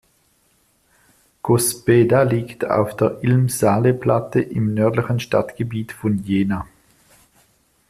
Cospeda liegt auf der Ilm-Saale-Platte im nördlichen Stadtgebiet von Jena.